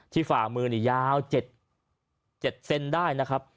ที่ฝ่ามือยาว๗เซนได้